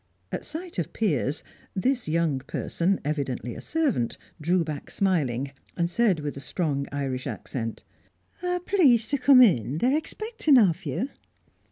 At sight of Piers this young person, evidently a servant, drew back smiling, and said with a strong Irish accent: "Please to come in. They're expecting of you."